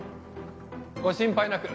ご心配なく。